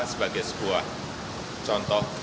sebagai sebuah contoh